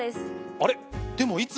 あれ？